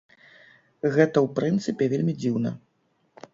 Гэта ў прынцыпе вельмі дзіўна.